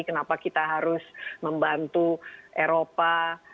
kenapa kita harus membantu eropa